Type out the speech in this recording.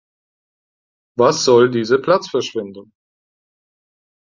Was soll diese Platzverschwendung?